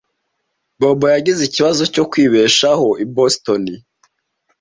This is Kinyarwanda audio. Bobo yagize ikibazo cyo kwibeshaho i Boston.